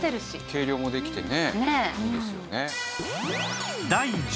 計量もできてねいいですよね。